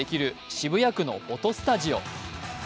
渋谷区のフォトスタジオ。